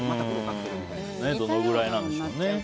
どのぐらいなんでしょうね。